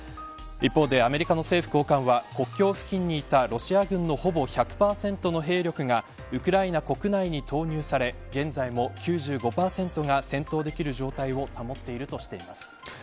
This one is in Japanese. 一方でアメリカの政府高官は国境付近にいたロシア軍のほぼ１００％の兵力がウクライナ国内に投入され現在も９５％が戦闘できる状態を保っているとしています。